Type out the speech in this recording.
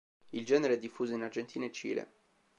Il genere è diffuso in Argentina e Cile.